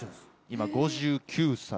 今５９歳。